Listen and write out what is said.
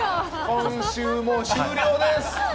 今週も終了です！